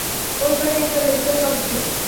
ওখানে একটা medical shop ছিল।